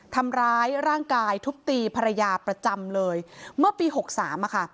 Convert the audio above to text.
ทำร้ายร่างกายทุบตีภรรยาประจำเลยเมื่อปีหกสามอะค่ะ